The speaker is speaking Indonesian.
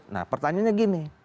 nah pertanyaannya gini